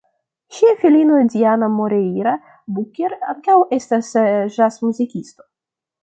Ŝia filino Diana Moreira-Booker ankaŭ estas ĵazmuzikisto.